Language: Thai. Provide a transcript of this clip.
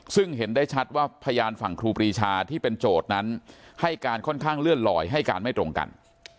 ซึ่งเห็นได้ชัดว่าพยานฝั่งครูปรีชาที่เป็นโจทย์นั้นให้การค่อนข้างเลื่อนลอยให้การไม่ตรงกัน